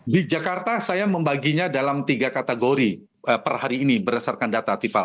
di jakarta saya membaginya dalam tiga kategori per hari ini berdasarkan data tiffal